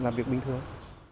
làm việc bình thường